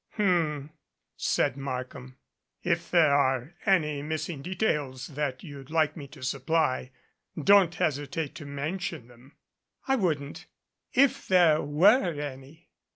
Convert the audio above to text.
"H m," said Markham. "If there are any missing details that you'd like me to supply, don't hesitate to mention them." "I wouldn't if there were any."